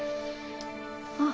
あっ。